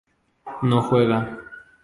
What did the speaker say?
No juega...